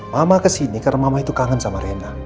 mama kesini karena mama itu kangen sama rena